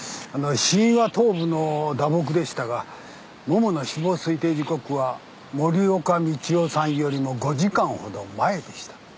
死因は頭部の打撲でしたがモモの死亡推定時刻は森岡道夫さんよりも５時間ほど前でした。